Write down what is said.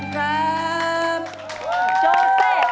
ขอบคุณครับ